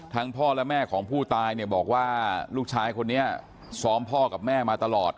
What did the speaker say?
พ่อและแม่ของผู้ตายเนี่ยบอกว่าลูกชายคนนี้ซ้อมพ่อกับแม่มาตลอด